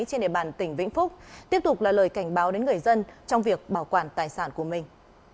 trên địa bàn tỉnh vĩnh phúc tiếp tục là lời cảnh báo đến người dân trong việc bảo quản tài sản của mình